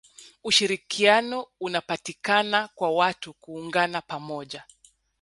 ushirikiano unapatikana kwa watu kuungana pamoja